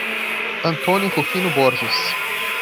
Antônio Rufino Borges